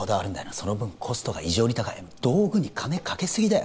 その分コストが異常に高い道具に金かけすぎだよ